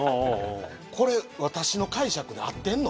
「これ私の解釈で合ってんの？」